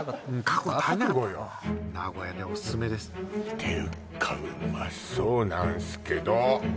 名古屋でオススメですていうかうまそうなんすけど！